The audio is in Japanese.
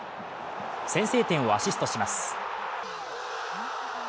先制点をアシストします。